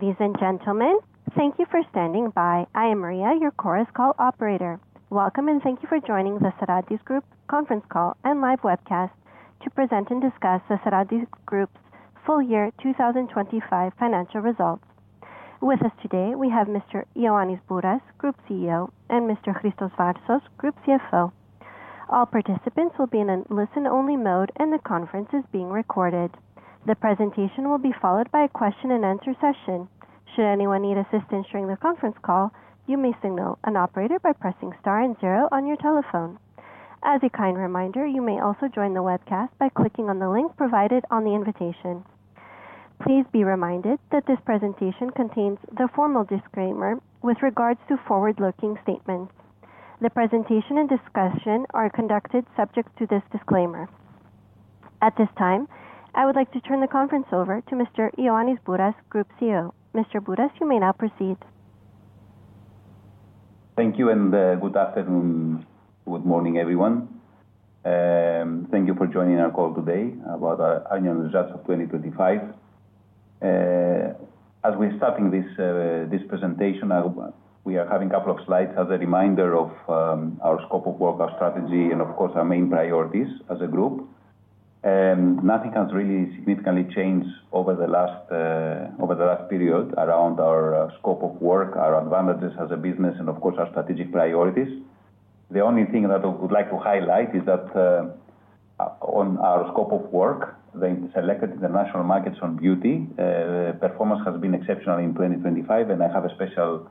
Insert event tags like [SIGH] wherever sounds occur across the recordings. Ladies and gentlemen, thank you for standing by. I am Maria, your Chorus Call operator. Welcome, and thank you for joining the Sarantis Group conference call and live webcast to present and discuss the Sarantis Group's full year 2025 financial results. With us today we have Mr. Ioannis Bouras, Group CEO, and Mr. Christos Varsos, Group CFO. All participants will be in a listen-only mode, and the conference is being recorded. The presentation will be followed by a question-and-answer session. Should anyone need assistance during the conference call, you may signal an operator by pressing star and zero on your telephone. As a kind reminder, you may also join the webcast by clicking on the link provided on the invitation. Please be reminded that this presentation contains the formal disclaimer with regards to forward-looking statements. The presentation and discussion are conducted subject to this disclaimer.At this time, I would like to turn the conference over to Mr. Ioannis Bouras, Group CEO. Mr. Bouras, you may now proceed. Thank you, and good afternoon, good morning, everyone. Thank you for joining our call today about our annual results of 2025. As we're starting this presentation, we are having a couple of slides as a reminder of our scope of work, our strategy, and of course, our main priorities as a group. Nothing has really significantly changed over the last period around our scope of work, our advantages as a business, and of course, our strategic priorities. The only thing that I would like to highlight is that, on our scope of work, the selected international markets on beauty performance has been exceptional in 2025, and I have a special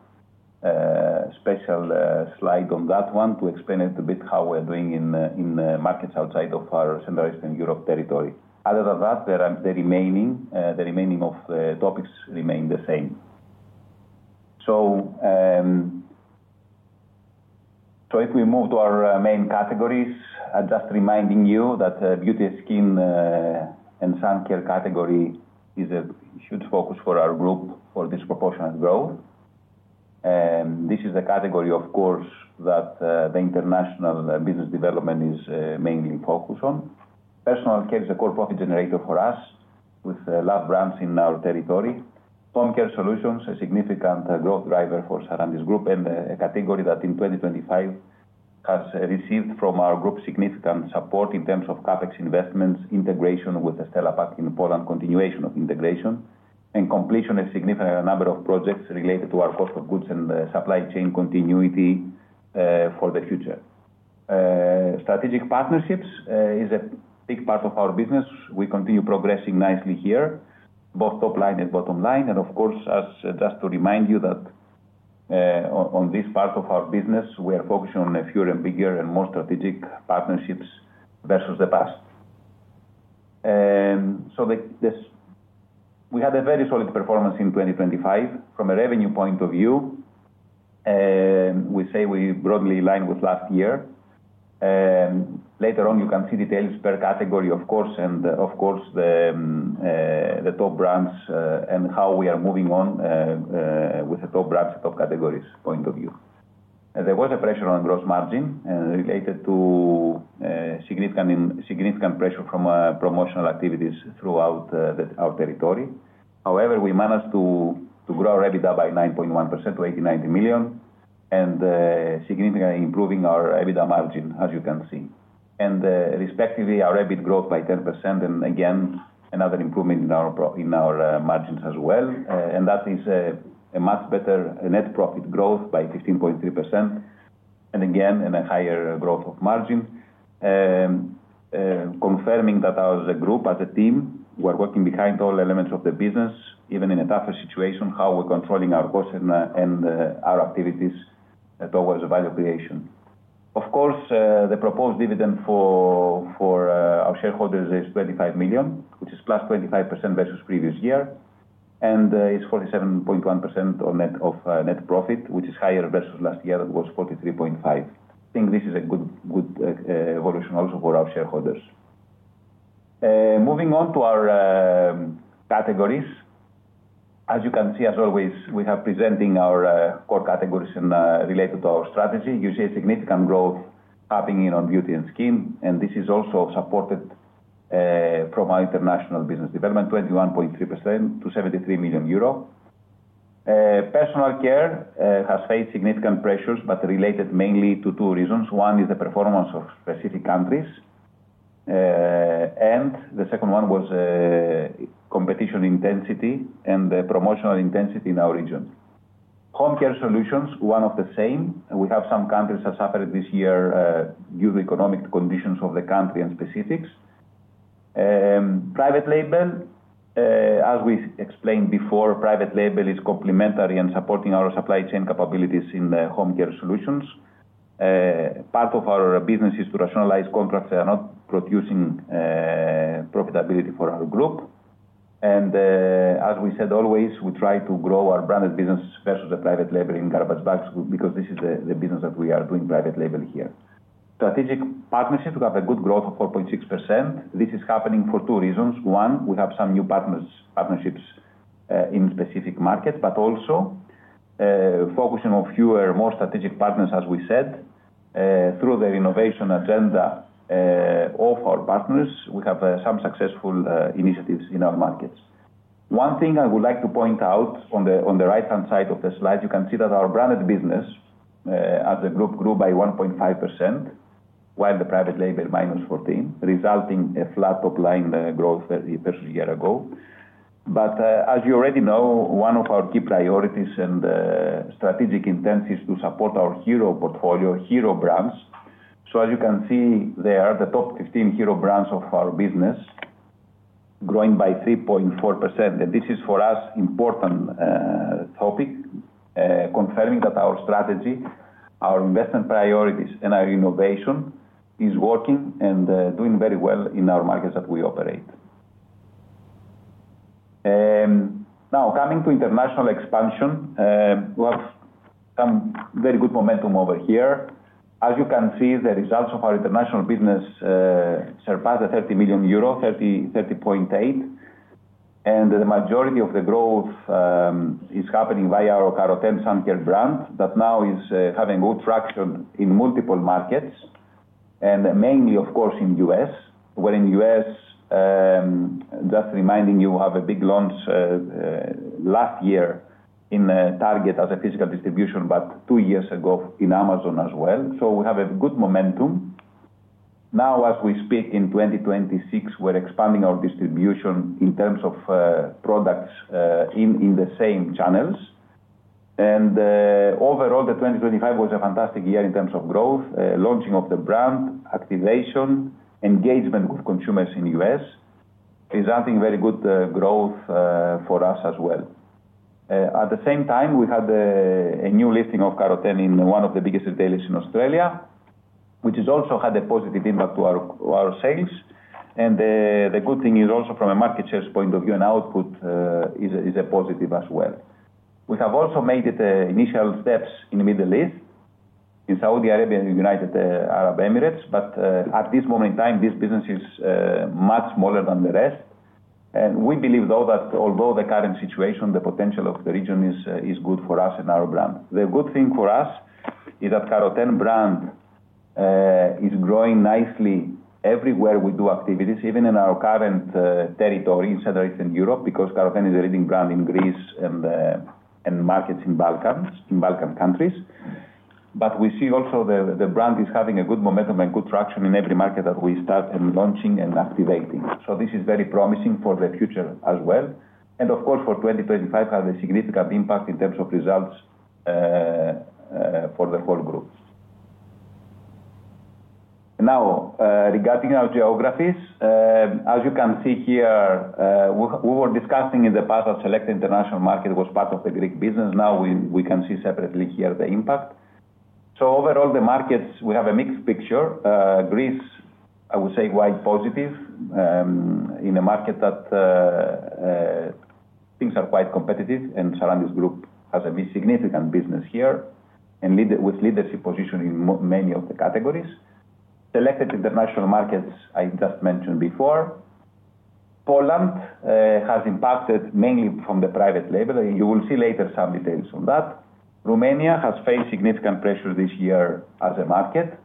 slide on that one to explain it a bit how we're doing in markets outside of our Central Eastern Europe territory. Other than that, the remaining of the topics remain the same. If we move to our main categories, I'm just reminding you that beauty, skin, and sun care category is a huge focus for our group for disproportionate growth. This is the category, of course, that the international business development is mainly focused on. Personal care is a core profit generator for us with large brands in our territory. Home Care Solutions, a significant growth driver for Sarantis Group and a category that in 2025 has received from our group significant support in terms of CapEx investments, integration with Stella Pack in Poland, continuation of integration, and completion of a significant number of projects related to our cost of goods and supply chain continuity for the future. Strategic partnerships is a big part of our business. We continue progressing nicely here, both top line and bottom line. Of course, just to remind you that on this part of our business, we are focused on a fewer and bigger and more strategic partnerships versus the past. We had a very solid performance in 2025. From a revenue point of view, we saw we broadly aligned with last year. Later on, you can see details per category, of course, and the top brands, and how we are moving on with the top brands, top categories point of view. There was a pressure on gross margin related to significant pressure from promotional activities throughout our territory. However, we managed to grow our EBITDA by 9.1% to 89 million, and significantly improving our EBITDA margin, as you can see. Respectively, our EBIT growth by 10%, and again, another improvement in our margins as well. That is a much better net profit growth by 15.3%, and again, in a higher growth of margin. Confirming that as a group, as a team, we're working behind all elements of the business, even in a tougher situation, how we're controlling our costs and our activities towards value creation. Of course, the proposed dividend for our shareholders is 25 million, which is +25% versus previous year, and it's 47.1% on net profit, which is higher versus last year that was 43.5%. I think this is a good evolution also for our shareholders. Moving on to our categories. As you can see, as always, we have presenting our core categories in related to our strategy. You see a significant growth happening in our beauty and skin, and this is also supported from our international business development, 21.3% to 73 million euro. Personal Care has faced significant pressures, but related mainly to two reasons. One is the performance of specific countries. The second one was competition intensity and the promotional intensity in our region. Home Care Solutions, one of the same. We have some countries that suffered this year due to economic conditions of the country and specifics. Private label, as we explained before, private label is complementary and supporting our supply chain capabilities in the Home Care Solutions. Part of our business is to rationalize contracts that are not producing profitability for our group. As we said always, we try to grow our branded business versus the private label in garbage bags because this is the business that we are doing private label here. Strategic partnership, we have a good growth of 4.6%. This is happening for two reasons. One, we have some new partnerships in specific markets, but also focusing on fewer, more strategic partners, as we said. Through the innovation agenda of our partners, we have some successful initiatives in our markets. One thing I would like to point out on the right-hand side of the slide, you can see that our branded business as a group grew by 1.5%, while the private label -14%, resulting in a flat top line growth versus year ago. As you already know, one of our key priorities and strategic intent is to support our hero portfolio, hero brands. As you can see there, the top 15 hero brands of our business growing by 3.4%. This is for us important topic, confirming that our strategy, our investment priorities, and our innovation is working and doing very well in our markets that we operate. Now coming to international expansion, we have some very good momentum over here. As you can see, the results of our international business surpass 30.8 million euro. The majority of the growth is happening via our Carroten sun care brand, that now is having good traction in multiple markets and mainly, of course, in U.S. We're in the U.S., just reminding you, we have a big launch last year in Target as a physical distribution, but two years ago in Amazon as well. We have a good momentum. Now, as we speak in 2026, we're expanding our distribution in terms of products in the same channels. Overall, the 2025 was a fantastic year in terms of growth, launching of the brand, activation, engagement with consumers in the U.S., resulting in very good growth for us as well. At the same time, we had a new listing of Carroten in one of the biggest retailers in Australia, which has also had a positive impact to our sales. The good thing is also from a market share point of view and outlook is a positive as well. We have also made the initial steps in Middle East, in Saudi Arabia and United Arab Emirates. At this moment in time, this business is much smaller than the rest. We believe, though, that although the current situation, the potential of the region is good for us and our brand. The good thing for us is that Carroten brand is growing nicely everywhere we do activities, even in our current territory, Central Eastern Europe, because Carroten is a leading brand in Greece and markets in Balkans, in Balkan countries. We see also the brand is having a good momentum and good traction in every market that we start and launching and activating. This is very promising for the future as well. Of course, for 2025, have a significant impact in terms of results for the whole group. Now, regarding our geographies, as you can see here, we were discussing in the past that selected international market was part of the Greek business. Now we can see separately here the impact. Overall, the markets, we have a mixed picture. Greece, I would say, quite positive, in a market that things are quite competitive, and Sarantis Group has a big significant business here with leadership position in many of the categories. Selected international markets, I just mentioned before. Poland has impacted mainly from the private label. You will see later some details on that. Romania has faced significant pressure this year as a market.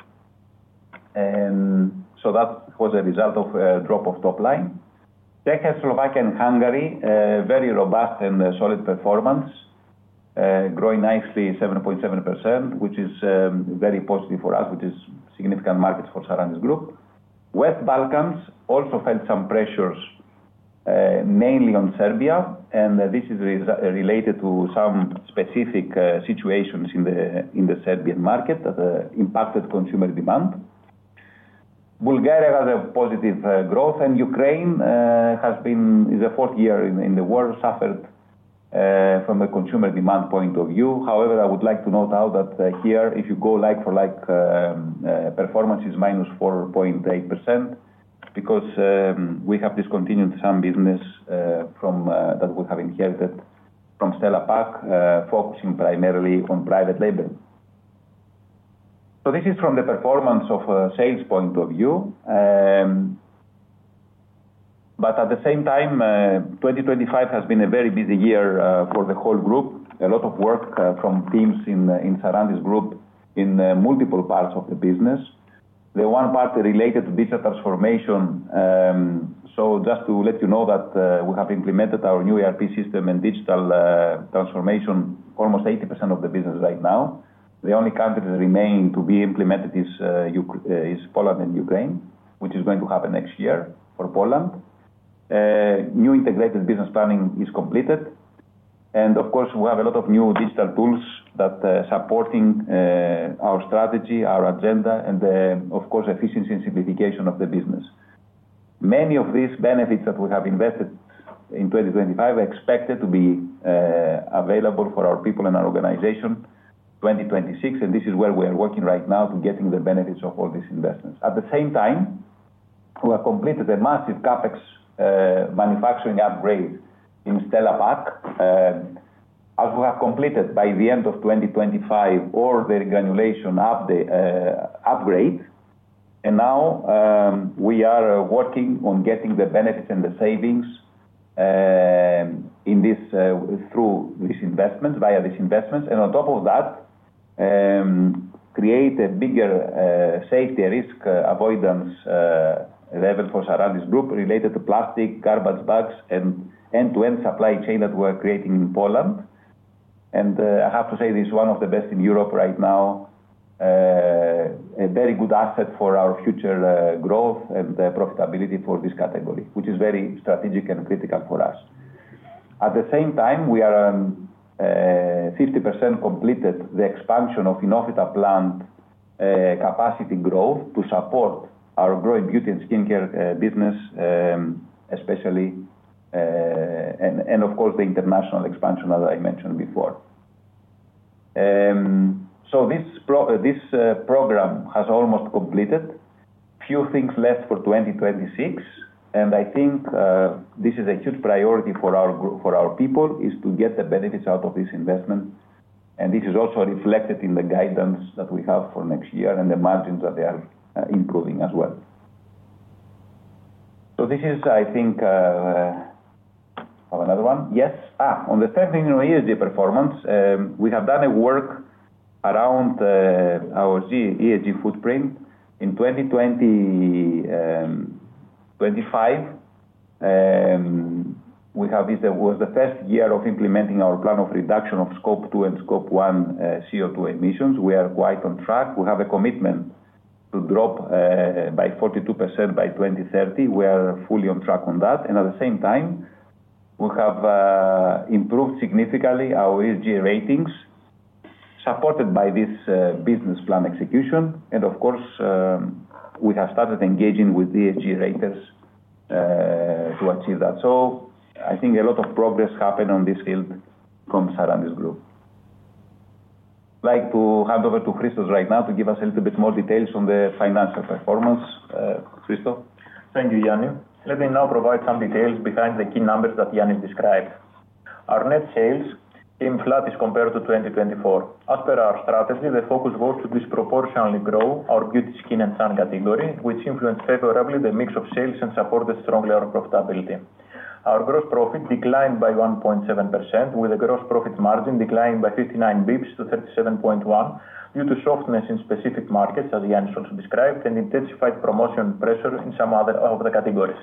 That was a result of a drop of top line. Czech, Slovakia, and Hungary, very robust and solid performance, growing nicely 7.7%, which is very positive for us, which is significant markets for Sarantis Group. West Balkans also felt some pressures, mainly on Serbia, and this is related to some specific situations in the Serbian market that impacted consumer demand. Bulgaria has a positive growth and Ukraine is the fourth year in the war, suffered from a consumer demand point of view. However, I would like to point out that here, if you go like for like, performance is -4.8% because we have discontinued some business from that we have inherited from Stella Pack, focusing primarily on private label. This is from the performance of a sales point of view. 2025 has been a very busy year for the whole group. A lot of work from teams in Sarantis Group in multiple parts of the business. The one part related to digital transformation. Just to let you know that we have implemented our new ERP system and digital transformation, almost 80% of the business right now. The only countries that remain to be implemented is Poland and Ukraine, which is going to happen next year for Poland. New integrated business planning is completed. Of course, we have a lot of new digital tools that supporting our strategy, our agenda, and of course, efficiency and simplification of the business. Many of these benefits that we have invested in 2025 are expected to be available for our people and our organization, 2026, and this is where we are working right now to getting the benefits of all these investments. At the same time, we have completed a massive CapEx manufacturing upgrade in Stella Pack. As we have completed by the end of 2025, all the granulation upgrade. Now we are working on getting the benefits and the savings in this through this investment, via this investment. On top of that, create a bigger safety risk avoidance level for Sarantis Group related to plastic garbage bags and end-to-end supply chain that we're creating in Poland. I have to say this is one of the best in Europe right now. A very good asset for our future growth and the profitability for this category, which is very strategic and critical for us. At the same time, we are 50% completed the expansion of Inofyta plant capacity growth to support our growing beauty and skincare business, especially and of course, the international expansion, as I mentioned before. This program has almost completed. Few things left for 2026, and I think this is a huge priority for our group, for our people, is to get the benefits out of this investment. This is also reflected in the guidance that we have for next year and the margins that they are improving as well. This is, I think. Have another one? Yes. On the second ESG performance, we have done a work around our ESG footprint. In 2020-2025, this was the first year of implementing our plan of reduction of scope two and scope one CO2 emissions. We are quite on track. We have a commitment to drop by 42% by 2030. We are fully on track on that. At the same time, we have improved significantly our ESG ratings, supported by this business plan execution. Of course, we have started engaging with ESG raters to achieve that. I think a lot of progress happened on this field from Sarantis Group. I'd like to hand over to Christos right now to give us a little bit more details on the financial performance. Christos. Thank you, Yannis. Let me now provide some details behind the key numbers that Yannis described. Our net sales came flat as compared to 2024. As per our strategy, the focus was to disproportionately grow our beauty, skin, and sun category, which influenced favorably the mix of sales and supported strongly our profitability. Our gross profit declined by 1.7%, with a gross profit margin declining by 59 basis points to 37.1%, due to softness in specific markets, as Yannis also described, and intensified promotion pressure in some other of the categories.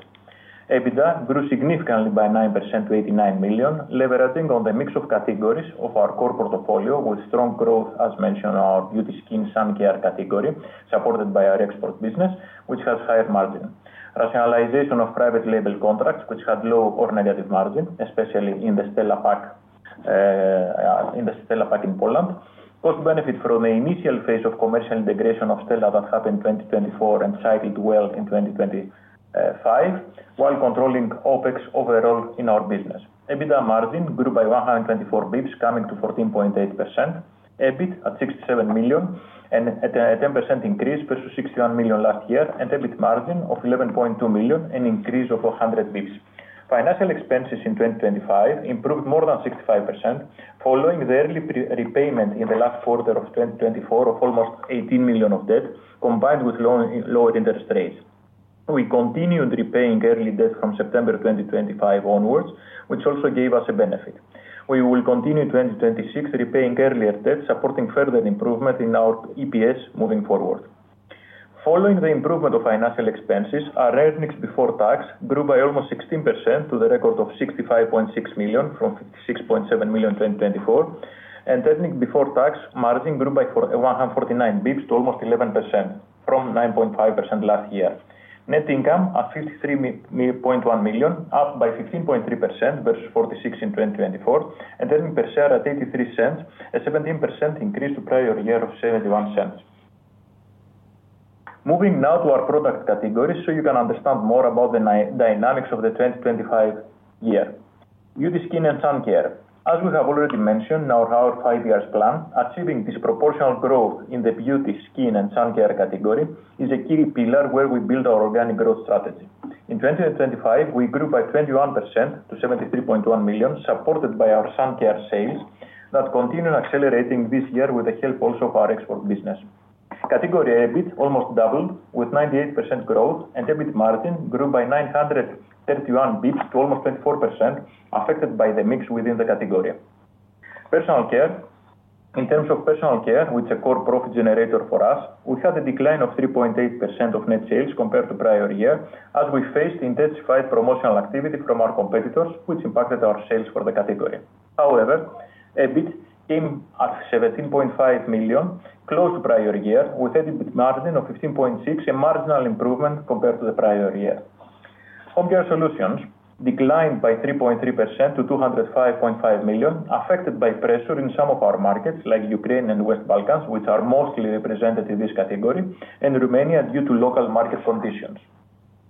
EBITDA grew significantly by 9% to 89 million, leveraging on the mix of categories of our core portfolio with strong growth, as mentioned, our beauty, skin, sun care category, supported by our export business, which has higher margin. Rationalization of private label contracts, which had low or negative margin, especially in the Stella Pack in Poland, got benefit from the initial phase of commercial integration of Stella that happened in 2024 and set well in 2025, while controlling OpEx overall in our business. EBITDA margin grew by 124 basis points, coming to 14.8%. EBIT at 67 million, a 10% increase versus 61 million last year, and EBIT margin of 11.2%, an increase of 100 basis points. Financial expenses in 2025 improved more than 65%, following the early prepayment in the last quarter of 2024 of almost 18 million of debt, combined with lower interest rates. We continued repaying early debt from September 2025 onwards, which also gave us a benefit. We will continue in 2026 repaying earlier debt, supporting further improvement in our EPS moving forward. Following the improvement of financial expenses, our earnings before tax grew by almost 16% to the record of 65.6 million from 56.7 million in 2024, and earnings before tax margin grew by 149 basis points to almost 11% from 9.5% last year. Net income at 53.1 million, up by 15.3% versus 46 million in 2024, and earnings per share at 0.83, a 17% increase to prior year of 0.71. Moving now to our product categories so you can understand more about the new dynamics of the 2025 year. Beauty, Skin and Sun Care. As we have already mentioned in our five-year plan, achieving disproportional growth in the Beauty, Skin and Sun Care category is a key pillar where we build our organic growth strategy. In 2025, we grew by 21% to 73.1 million, supported by our sun care sales that continue accelerating this year with the help also of our export business. Category EBIT almost doubled with 98% growth, and EBIT margin grew by 931 basis points to almost 24%, affected by the mix within the category. Personal Care. In terms of Personal Care, which is a core profit generator for us, we had a decline of 3.8% of net sales compared to prior year, as we faced intensified promotional activity from our competitors, which impacted our sales for the category. However, EBIT came at 17.5 million, close to prior year, with EBIT margin of 15.6%, a marginal improvement compared to the prior year. Home care solutions declined by 3.3% to 205.5 million, affected by pressure in some of our markets, like Ukraine and West Balkans, which are mostly represented in this category, and Romania due to local market conditions.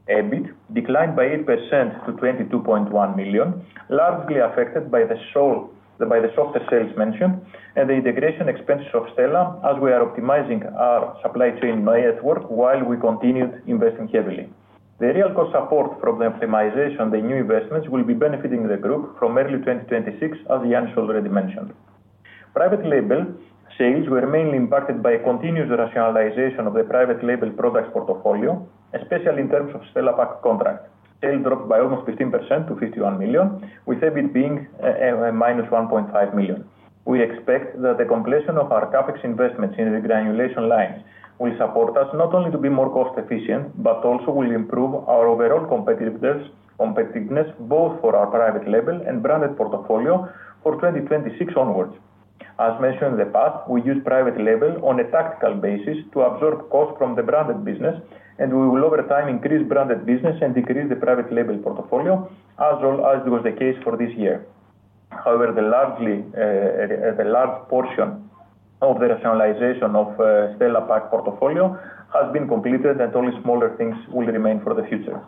EBIT declined by 8% to 22.1 million, largely affected by the softer sales mentioned and the integration expenses of Stella as we are optimizing our supply chain network while we continued investing heavily. The real cost support from the optimization of the new investments will be benefiting the group from early 2026, as Yannis already mentioned. Private label sales were mainly impacted by a continuous rationalization of the private label products portfolio, especially in terms of Stella Pack contracts. Sales dropped by almost 15% to 51 million, with EBIT being -1.5 million. We expect that the completion of our CapEx investments in the granulation line will support us not only to be more cost efficient, but also will improve our overall competitiveness both for our private label and branded portfolio for 2026 onwards. As mentioned in the past, we use private label on a tactical basis to absorb costs from the branded business, and we will over time increase branded business and decrease the private label portfolio as well as was the case for this year. However, the large portion of the rationalization of Stella Pack portfolio has been completed and only smaller things will remain for the future.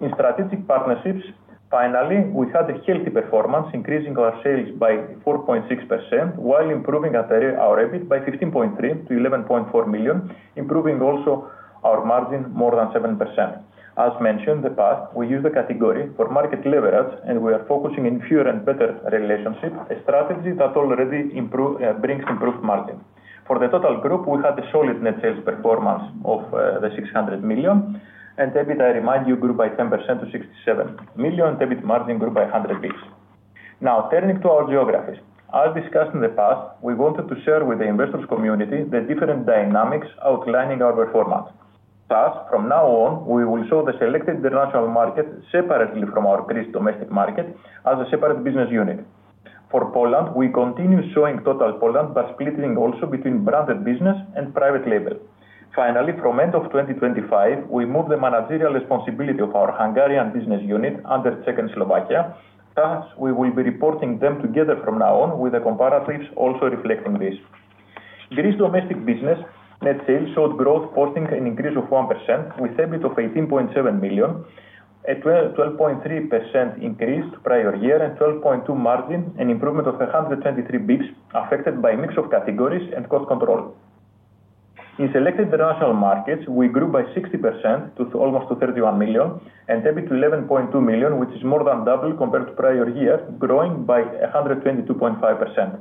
In strategic partnerships, finally, we had a healthy performance, increasing our sales by 4.6% while improving our EBIT by 15.3 to 11.4 million, improving also our margin more than 7%. As mentioned in the past, we use the category for market leverage and we are focusing in fewer and better relationships, a strategy that already brings improved margin. For the total group, we had a solid net sales performance of 600 million and EBIT, I remind you, grew by 10% to 67 million. EBIT margin grew by 100 basis points. Now turning to our geographies. As discussed in the past, we wanted to share with the investment community the different dynamics outlining our performance. Thus, from now on, we will show the selected international market separately from our Greek domestic market as a separate business unit. For Poland, we continue showing total Poland, but splitting also between branded business and private label. Finally, from the end of 2025, we move the managerial responsibility of our Hungarian business unit under Czech and Slovakia. Thus, we will be reporting them together from now on with the comparatives also reflecting this. Greece domestic business net sales showed growth posting an increase of 1% with EBIT of 18.7 million, a 12.3% increase to prior year and 12.2% margin, an improvement of 123 basis points affected by mix of categories and cost control. In selected international markets, we grew by 60% to almost 31 million, and EBIT to 11.2 million, which is more than double compared to prior year, growing by 122.5%.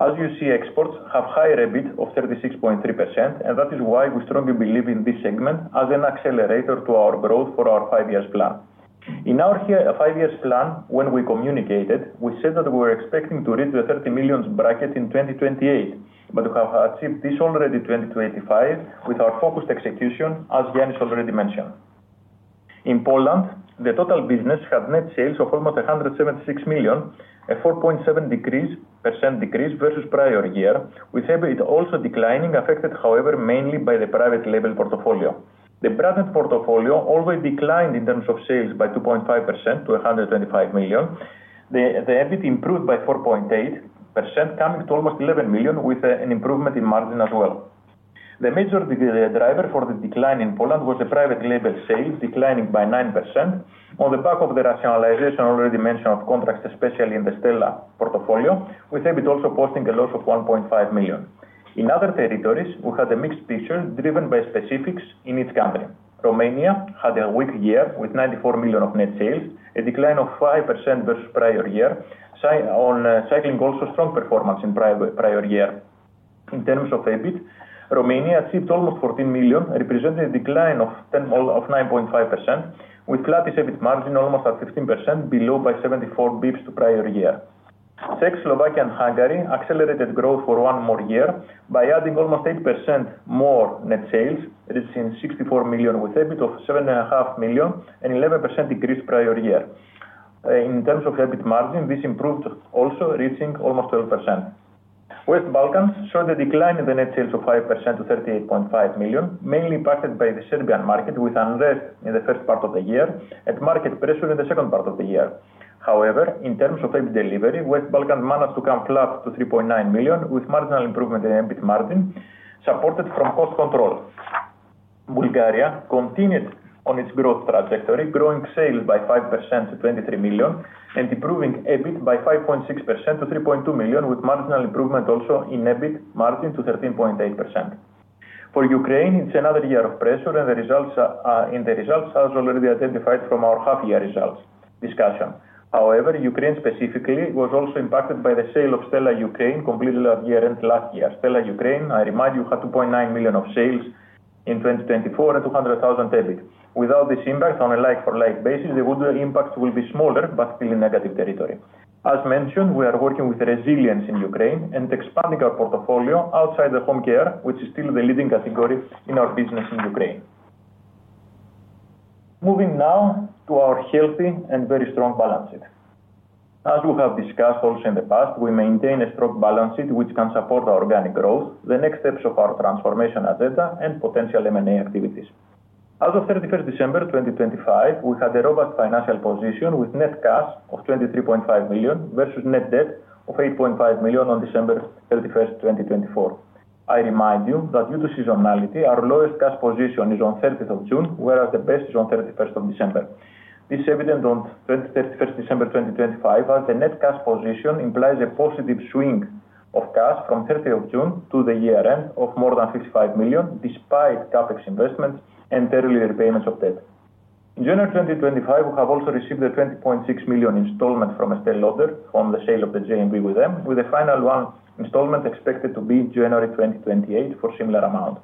Exports have higher EBIT of 36.3%, and that is why we strongly believe in this segment as an accelerator to our growth for our five-year plan. In our five-year plan, when we communicated, we said that we were expecting to reach the 30 million bracket in 2028, but have achieved this already in 2025 with our focused execution, as Yannis already mentioned. In Poland, the total business had net sales of almost 176 million, a 4.7% decrease versus prior year, with EBIT also declining, affected however mainly by the private label portfolio. The branded portfolio already declined in terms of sales by 2.5% to 125 million. The EBIT improved by 4.8%, coming to almost 11 million with an improvement in margin as well. The major driver for the decline in Poland was the private label sales declining by 9% on the back of the rationalization already mentioned of contracts, especially in the Stella portfolio, with EBIT also posting a loss of 1.5 million. In other territories, we had a mixed picture driven by specifics in each country. Romania had a weak year with 94 million of net sales, a decline of 5% versus prior year, cycling also strong performance in prior year. In terms of EBIT, Romania achieved almost 14 million, representing a decline of nine point five percent, with flat EBIT margin almost at 15% below by 74 basis points to prior year. Czech, Slovakian, Hungary accelerated growth for one more year by adding almost 8% more net sales, reaching 64 million with EBIT of 7.5 million, an 11% decrease prior year. In terms of EBIT margin, this improved also reaching almost 12%. West Balkans showed a decline in the net sales of 5% to 38.5 million, mainly impacted by the Serbian market with unrest in the first part of the year and market pressure in the second part of the year. However, in terms of EBIT delivery, West Balkan managed to come flat to 3.9 million, with marginal improvement in EBIT margin supported from cost control. Bulgaria continued on its growth trajectory, growing sales by 5% to 23 million and improving EBIT by 5.6% to 3.2 million, with marginal improvement also in EBIT margin to 13.8%. For Ukraine, it's another year of pressure, and the results as already identified from our half year results discussion. However, Ukraine specifically was also impacted by the sale of Stella Pack Ukraine completely last year. Stella Pack Ukraine, I remind you, had 2.9 million of sales in 2024 and 200,000 EBIT. Without this impact on a like-for-like basis, the overall impact will be smaller but still in negative territory. As mentioned, we are working with resilience in Ukraine and expanding our portfolio outside the home care, which is still the leading category in our business in Ukraine. Moving now to our healthy and very strong balance sheet. As we have discussed also in the past, we maintain a strong balance sheet which can support our organic growth, the next steps of our transformation agenda, and potential M&A activities. As of December 31, 2025, we had a robust financial position with net cash of 23.5 million versus net debt of 8.5 million on December 31, 2024. I remind you that due to seasonality, our lowest cash position is on June 30, whereas the best is on December 31. It's evident on 31 December 2025, as the net cash position implies a positive swing of cash from 30 June to the year end of more than 55 million, despite CapEx investments and early repayments of debt. In January 2025, we have also received a 20.6 million installment from Estée Lauder from the sale of the JV with them, with a final one installment expected to be January 2028 for similar amount.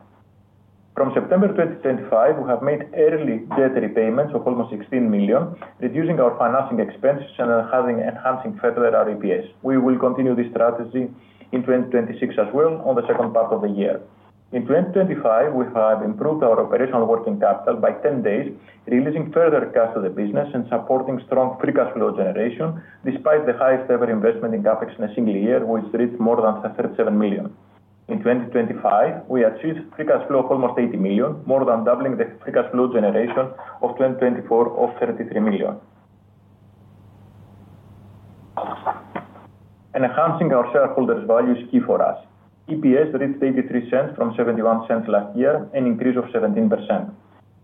From September 2025, we have made early debt repayments of almost 16 million, reducing our financing expenses and enhancing further our EPS. We will continue this strategy in 2026 as well on the second part of the year. In 2025, we have improved our operational working capital by 10 days, releasing further cash to the business and supporting strong free cash flow generation despite the highest ever investment in CapEx in a single year, which reached more than 37 million. In 2025, we achieved free cash flow of almost 80 million, more than doubling the free cash flow generation of 2024 of 33 million. Enhancing our shareholders value is key for us. EPS reached 0.83 from 0.71 last year, an increase of 17%.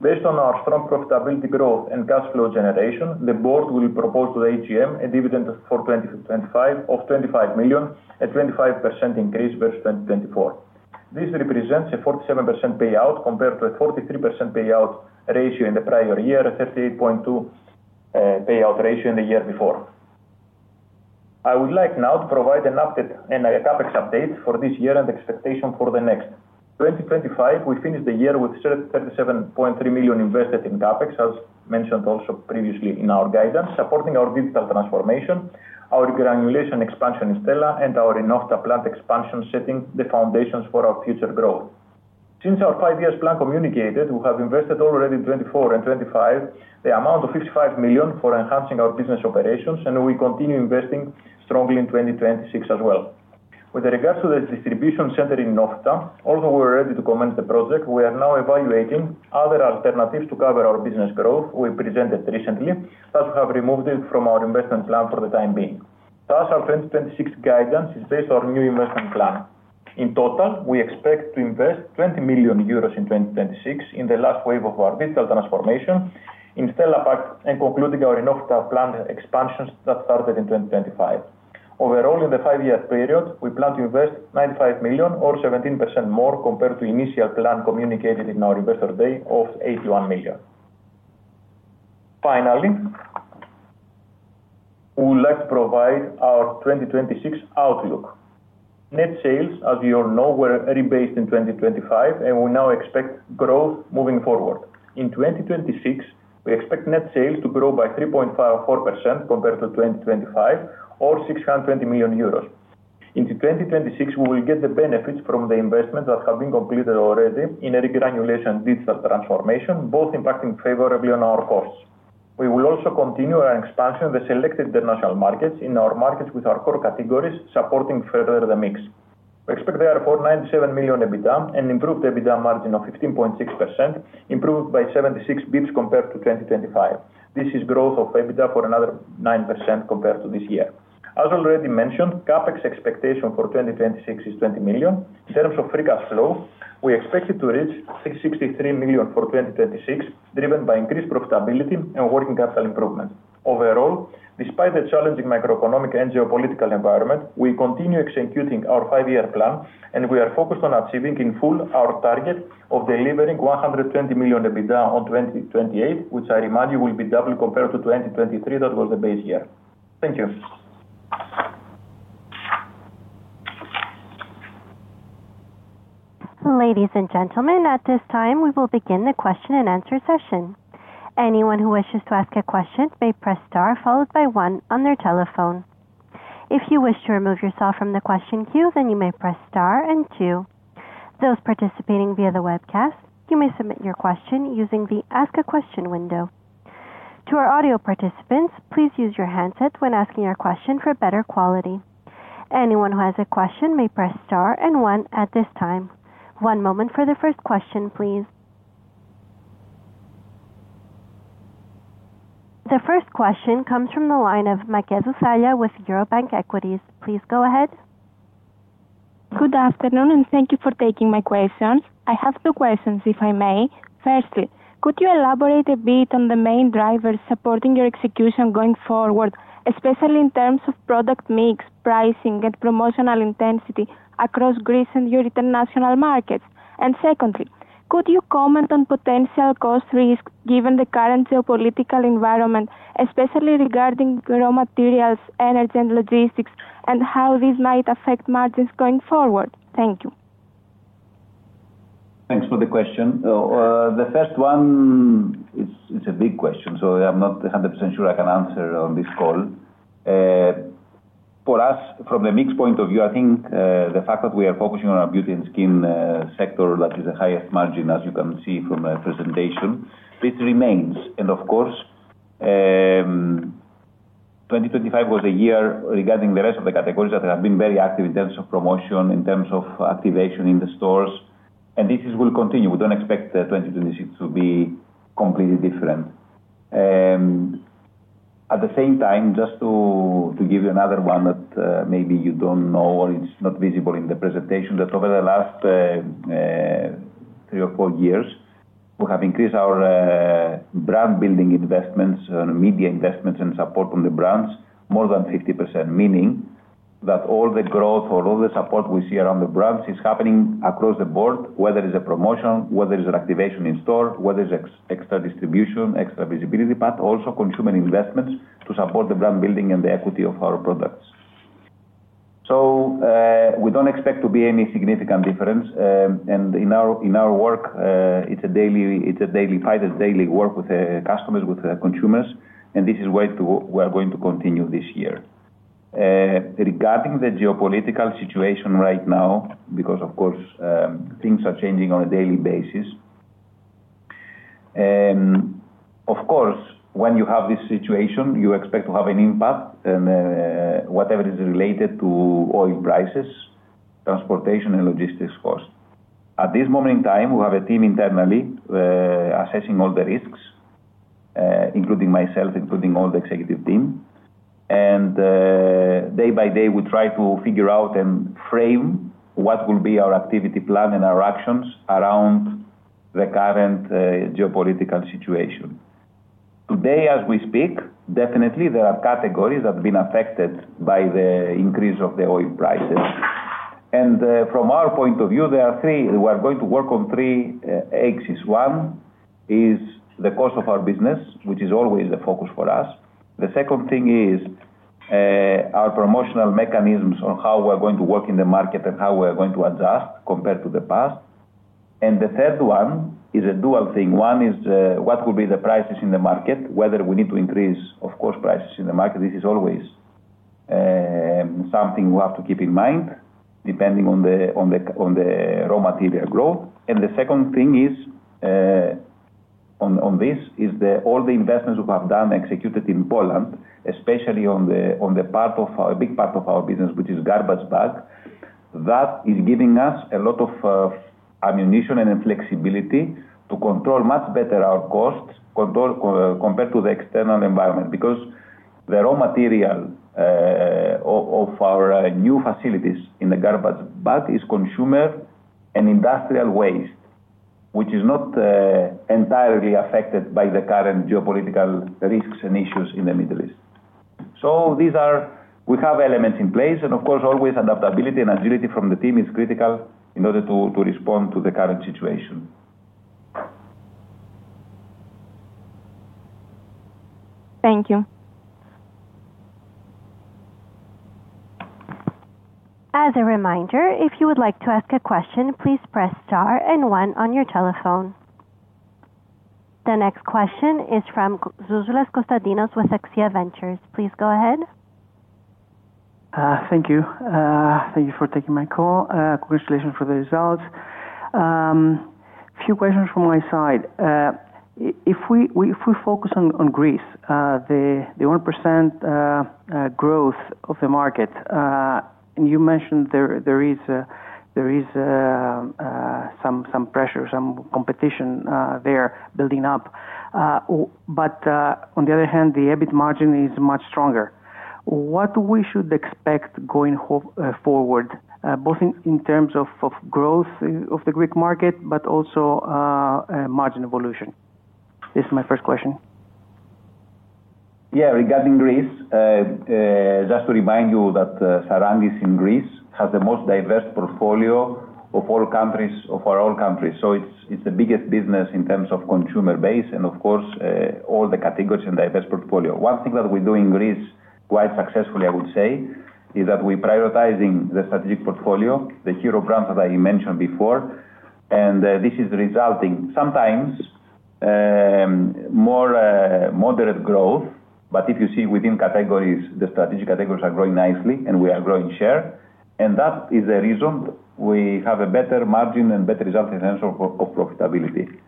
Based on our strong profitability growth and cash flow generation, the board will propose to the AGM a dividend for 2025 of 25 million, a 25% increase versus 2024. This represents a 47% payout compared to a 43% payout ratio in the prior year, a 38.2% payout ratio in the year before. I would like now to provide an update and a CapEx update for this year and expectation for the next. 2025, we finished the year with 37.3 million invested in CapEx, as mentioned also previously in our guidance, supporting our digital transformation, our granulation expansion in Stella and our Inofyta plant expansion, setting the foundations for our future growth. Since our five years plan communicated, we have invested already in 2024 and 2025 the amount of 55 million for enhancing our business operations, and we continue investing strongly in 2026 as well. With regards to the distribution center in Inofyta, although we're ready to commence the project, we are now evaluating other alternatives to cover our business growth we presented recently, as we have removed it from our investment plan for the time being. Our 2026 guidance is based on new investment plan. In total, we expect to invest 20 million euros in 2026 in the last wave of our digital transformation in Stella Pack and concluding our Inofyta plant expansions that started in 2025. Overall, in the five-year period, we plan to invest 95 million or 17% more compared to initial plan communicated in our investor day of 81 million. We would like to provide our 2026 outlook. Net sales, as you all know, were rebased in 2025, and we now expect growth moving forward. In 2026, we expect net sales to grow by 3.54% compared to 2025 or 620 million euros. In 2026, we will get the benefits from the investments that have been completed already in automation digital transformation, both impacting favorably on our costs. We will also continue our expansion of the selected international markets in our markets with our core categories supporting further the mix. We expect therefore 97 million EBITDA and improved EBITDA margin of 15.6%, improved by 76 basis points compared to 2025. This is growth of EBITDA for another 9% compared to this year. As already mentioned, CapEx expectation for 2026 is 20 million. In terms of free cash flow, we expect it to reach 663 million for 2026, driven by increased profitability and working capital improvement. Overall, despite the challenging macroeconomic and geopolitical environment, we continue executing our five-year plan, and we are focused on achieving in full our target of delivering 120 million EBITDA in 2028, which I remind you will be double compared to 2023, that was the base year. Thank you. Ladies and gentlemen, at this time, we will begin the question and answer session. Anyone who wishes to ask a question may press star followed by one on their telephone. If you wish to remove yourself from the question queue, then you may press star and two. Those participating via the webcast, you may submit your question using the Ask a Question window. To our audio participants, please use your handsets when asking your question for better quality. Anyone who has a question may press star and one at this time. One moment for the first question, please. The first question comes from the line of [AUDIO DISTORTION] with Eurobank Equities. Please go ahead. Good afternoon, and thank you for taking my questions. I have two questions, if I may. Firstly, could you elaborate a bit on the main drivers supporting your execution going forward, especially in terms of product mix, pricing and promotional intensity across Greece and your international markets? Secondly, could you comment on potential cost risk given the current geopolitical environment, especially regarding raw materials, energy and logistics, and how this might affect margins going forward? Thank you. Thanks for the question. The first one it's a big question, so I'm not 100% sure I can answer on this call. For us, from the mix point of view, I think the fact that we are focusing on our beauty and skin sector, that is the highest margin, as you can see from our presentation, this remains. Of course, 2025 was a year regarding the rest of the categories that have been very active in terms of promotion, in terms of activation in the stores, and this will continue. We don't expect the 2026 to be completely different. At the same time, just to give you another one that maybe you don't know or it's not visible in the presentation, that over the last three or four years, we have increased our brand building investments and media investments and support from the brands more than 50%, meaning That all the growth or all the support we see around the brands is happening across the board, whether it's a promotion, whether it's an activation in store, whether it's extra distribution, extra visibility, but also consumer investments to support the brand building and the equity of our products. We don't expect to be any significant difference. In our work, it's a daily fight, a daily work with customers, with the consumers, and this is where we're going to continue this year. Regarding the geopolitical situation right now, because of course, things are changing on a daily basis. Of course, when you have this situation, you expect to have an impact and, whatever is related to oil prices, transportation and logistics costs. At this moment in time, we have a team internally, assessing all the risks, including myself, including all the executive team. Day by day, we try to figure out and frame what will be our activity plan and our actions around the current geopolitical situation. Today, as we speak, definitely there are categories that have been affected by the increase of the oil prices. From our point of view, we are going to work on three axes. One is the cost of our business, which is always the focus for us. The second thing is our promotional mechanisms on how we're going to work in the market and how we're going to adjust compared to the past. The third one is a dual thing. One is what will be the prices in the market, whether we need to increase, of course, prices in the market. This is always something we have to keep in mind, depending on the raw material growth. The second thing is on this is all the investments we have executed in Poland, especially a big part of our business, which is garbage bag. That is giving us a lot of ammunition and a flexibility to control much better our costs compared to the external environment. Because the raw material of our new facilities in the garbage bag is consumer and industrial waste, which is not entirely affected by the current geopolitical risks and issues in the Middle East. We have elements in place, and of course, always adaptability and agility from the team is critical in order to respond to the current situation. Thank you. As a reminder, if you would like to ask a question, please press star and one on your telephone. The next question is from Konstantinos Soulas with AXIA Ventures. Please go ahead. Thank you for taking my call. Congratulations for the results. Few questions from my side. If we focus on Greece, the 1% growth of the market, and you mentioned there is some pressure, some competition there building up. But on the other hand, the EBIT margin is much stronger. What should we expect going forward, both in terms of growth of the Greek market, but also margin evolution? This is my first question. Yeah. Regarding Greece, just to remind you that, Sarantis in Greece has the most diverse portfolio of all our countries. It's the biggest business in terms of consumer base and of course, all the categories and diverse portfolio. One thing that we do in Greece, quite successfully, I would say, is that we're prioritizing the strategic portfolio, the hero brands, as I mentioned before, and this is resulting sometimes more moderate growth. If you see within categories, the strategic categories are growing nicely, and we are growing share. That is the reason we have a better margin and better results in terms of profitability.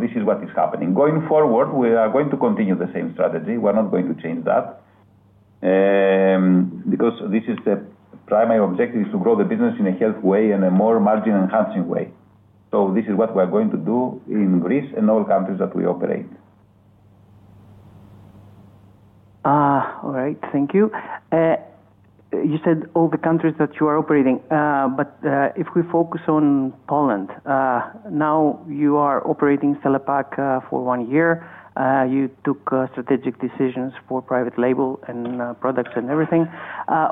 This is what is happening. Going forward, we are going to continue the same strategy. We're not going to change that. Because this is the primary objective, is to grow the business in a healthy way and a more margin-enhancing way. This is what we are going to do in Greece and all countries that we operate. All right. Thank you. You said all the countries that you are operating. If we focus on Poland, now you are operating Stella Pack for one year. You took strategic decisions for private label and products and everything.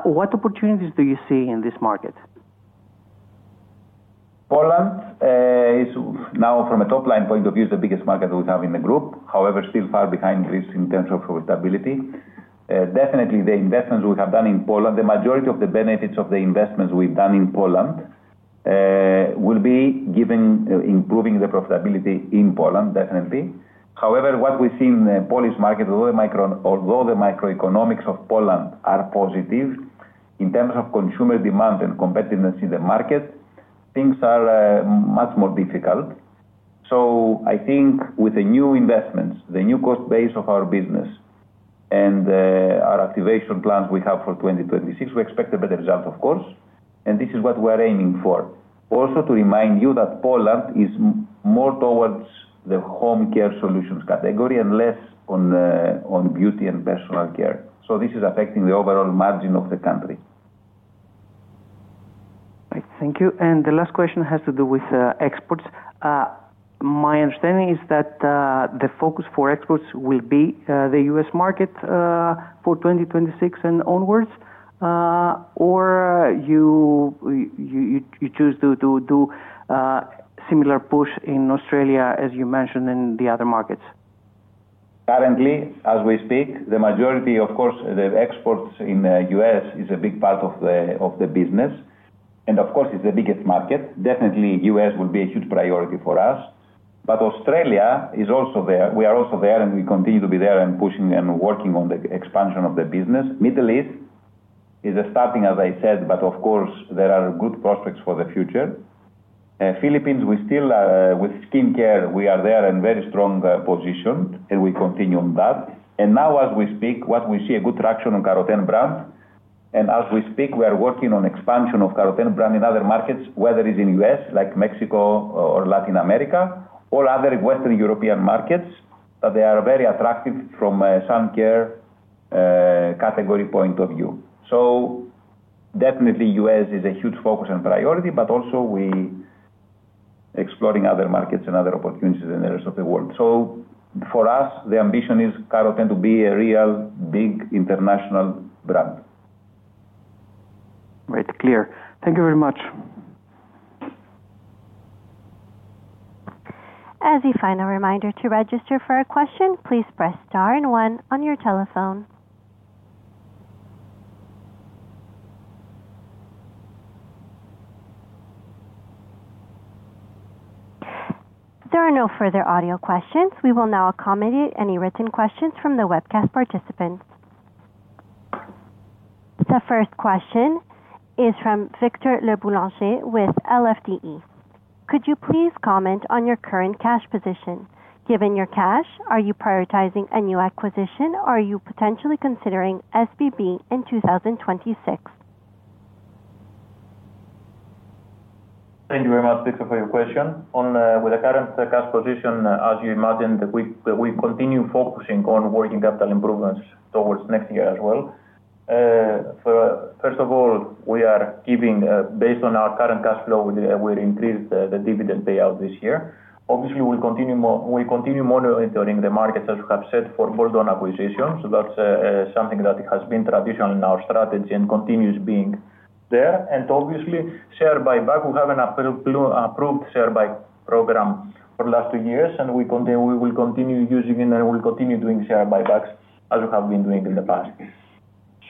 What opportunities do you see in this market? Poland is now from a top-line point of view, the biggest market we have in the group. However, still far behind Greece in terms of profitability. Definitely the investments we have done in Poland, the majority of the benefits of the investments we've done in Poland, will be giving, improving the profitability in Poland, definitely. However, what we see in the Polish market, although the microeconomics of Poland are positive, in terms of consumer demand and competitiveness in the market, things are much more difficult. I think with the new investments, the new cost base of our business and our activation plans we have for 2026, we expect a better result of course, and this is what we're aiming for. Also to remind you that Poland is more towards the Home Care Solutions category and less on beauty and personal care. This is affecting the overall margin of the country. Thank you. The last question has to do with exports. My understanding is that the focus for exports will be the U.S. market for 2026 and onwards, or you choose to similar push in Australia, as you mentioned in the other markets. Currently, as we speak, the majority of course, the exports in U.S. is a big part of the business, and of course, it's the biggest market. Definitely U.S. will be a huge priority for us. Australia is also there. We are also there, and we continue to be there and pushing and working on the expansion of the business. Middle East is starting, as I said, but of course there are good prospects for the future. Philippines, we still, with skincare, we are there in very strong position, and we continue on that. Now as we speak, what we see a good traction on Carroten brand. As we speak, we are working on expansion of Carroten brand in other markets, whether it's in U.S., like Mexico or Latin America or other Western European markets. They are very attractive from sun care category point of view. Definitely U.S. is a huge focus and priority, but also we're exploring other markets and other opportunities in the rest of the world. For us, the ambition is Carroten to be a real big international brand. Right. Clear. Thank you very much. As a final reminder to register for a question, please press star and one on your telephone. There are no further audio questions. We will now accommodate any written questions from the webcast participants. The first question is from Victor Le Boulanger with LFDE. Could you please comment on your current cash position? Given your cash, are you prioritizing a new acquisition? Are you potentially considering SBB in 2026? Thank you very much, Victor, for your question. On with the current cash position, as you imagine, we continue focusing on working capital improvements towards next year as well. First of all, we are keeping based on our current cash flow, we increased the dividend payout this year. Obviously, we continue monitoring the markets, as you have said, for add-on acquisitions. That's something that has been traditional in our strategy and continues being there. Obviously, Share Buyback, we have an approved Share Buyback program for the last two years, and we will continue using it, and we will continue doing Share Buybacks as we have been doing in the past.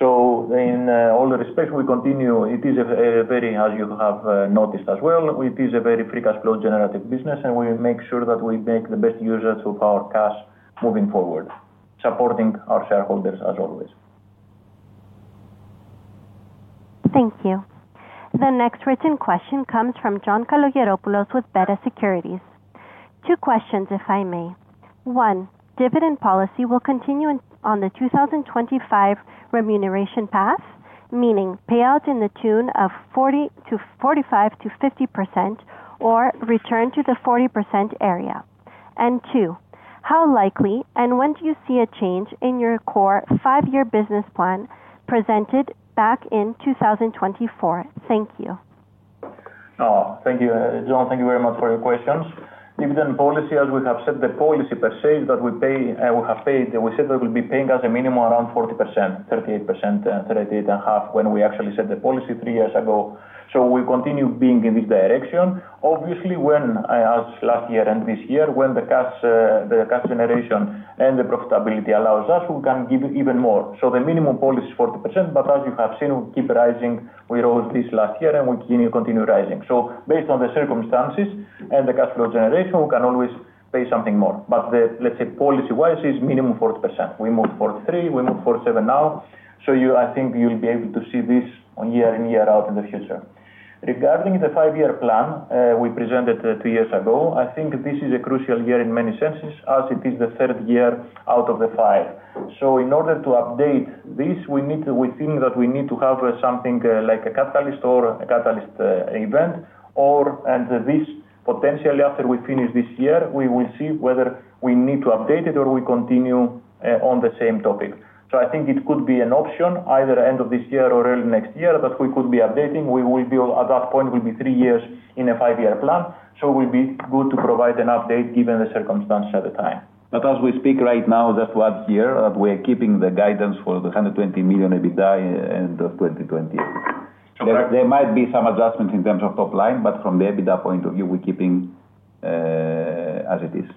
In all respects, we continue. It is, as you have noticed as well, a very free cash flow generative business, and we make sure that we make the best use of our cash moving forward, supporting our shareholders as always. Thank you. The next written question comes from John Kalogeropoulos with Beta Securities. Two questions, if I may. One, dividend policy will continue on the 2025 remuneration path, meaning payout to the tune of 40 to 45-50% or return to the 40% area. Two, how likely and when do you see a change in your core five-year business plan presented back in 2024? Thank you. Oh, thank you, John. Thank you very much for your questions. Dividend policy, as we have said, the policy per se that we pay, we have paid, we said that we'll be paying as a minimum around 40%, 38%, 38.5% when we actually set the policy three years ago. We continue being in this direction. Obviously, when as last year and this year, when the cash generation and the profitability allows us, we can give even more. The minimum policy is 40%, but as you have seen, we keep rising. We rose this last year, and we continue rising. Based on the circumstances and the cash flow generation, we can always pay something more. But the, let's say, policy-wise is minimum 40%. We move 43%, we move 47% now. You, I think you'll be able to see this year in, year out in the future. Regarding the five-year plan we presented two years ago, I think this is a crucial year in many senses as it is the third year out of the five. In order to update this, we need to. We think that we need to have something like a catalyst or catalyst event, and this potentially after we finish this year. We will see whether we need to update it or we continue on the same topic. I think it could be an option either end of this year or early next year that we could be updating. We will be. At that point, we will be three years in a five-year plan, so it will be good to provide an update given the circumstances at the time. As we speak right now, just last year, we are keeping the guidance for the 120 million EBITDA end of 2020. There might be some adjustments in terms of top line, but from the EBITDA point of view, we're keeping as it is.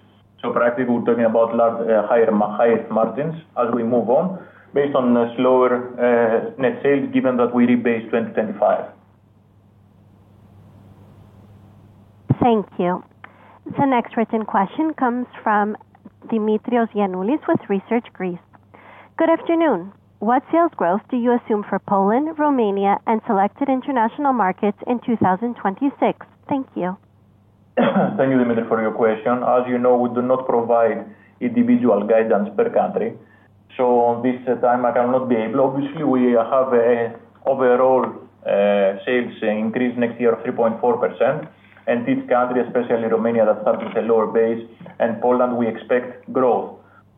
Practically, we're talking about higher highest margins as we move on based on slower net sales, given that we rebase 2025. Thank you. The next written question comes from Dimitris Giannoulis with ResearchGreece. Good afternoon. What sales growth do you assume for Poland, Romania, and selected international markets in 2026? Thank you. Thank you, Dimitris, for your question. As you know, we do not provide individual guidance per country, so this time I cannot be able. Obviously, we have an overall sales increase next year of 3.4%. Each country, especially Romania, that starts with a lower base, and Poland, we expect growth.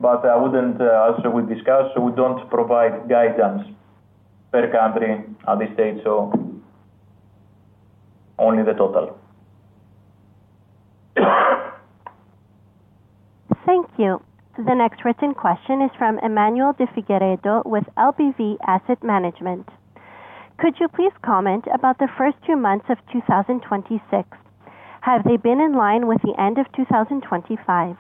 I wouldn't, as we discussed, so we don't provide guidance per country at this stage, so only the total. Thank you. The next written question is from Emmanuel de Figueiredo with LBV Asset Management. Could you please comment about the first two months of 2026? Have they been in line with the end of 2025?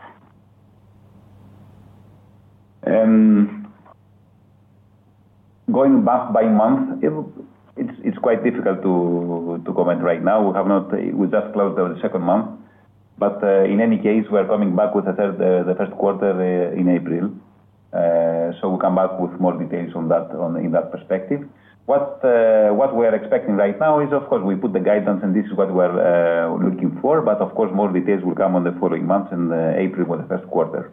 Going back by month, it's quite difficult to comment right now. We just closed the second month. In any case, we are coming back with the third, the first quarter, in April. We'll come back with more details on that, in that perspective. What we are expecting right now is, of course, we put the guidance and this is what we are looking for. Of course, more details will come on the following months in April for the first quarter.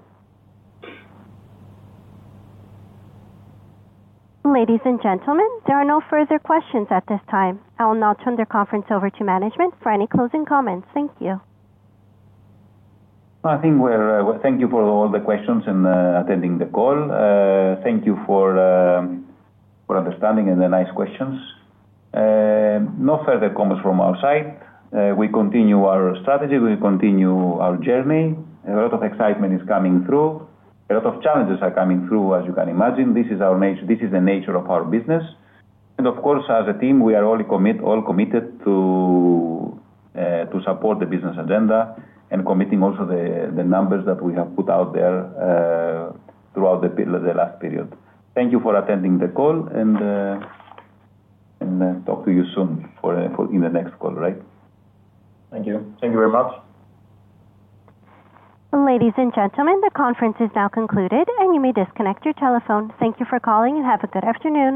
Ladies and gentlemen, there are no further questions at this time. I'll now turn the conference over to management for any closing comments. Thank you. I think we're thank you for all the questions and attending the call. Thank you for for understanding and the nice questions. No further comments from our side. We continue our strategy. We continue our journey. A lot of excitement is coming through. A lot of challenges are coming through, as you can imagine. This is the nature of our business. Of course, as a team, we are all committed to support the business agenda and committing also the numbers that we have put out there throughout the last period. Thank you for attending the call and talk to you soon for in the next call, right? Thank you. Thank you very much. Ladies and gentlemen, the conference is now concluded, and you may disconnect your telephone. Thank you for calling, and have a good afternoon.